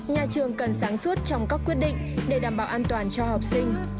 nhà trường cần sáng suốt trong các quyết định để đảm bảo an toàn cho học sinh